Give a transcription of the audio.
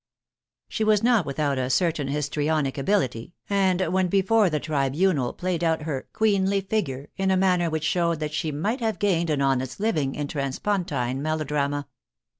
She was not without a certain histrionic ability, and when before the tribunal played out her " queenly figure " in a manner which showed that she might have gained an honest living in transpontine melodrama.